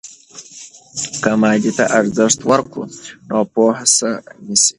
که مادیې ته ارزښت ورکوو، نو پوهه ساه نیسي.